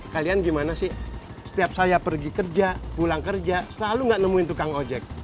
kalian gimana sih setiap saya pergi kerja pulang kerja selalu nggak nemuin tukang ojek